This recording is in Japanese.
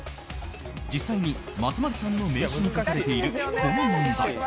実際に松丸さんの名刺に書かれている、この問題。